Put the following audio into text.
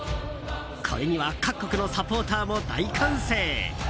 これには各国のサポーターも大歓声。